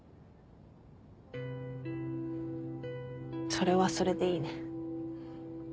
それはそれでいいね。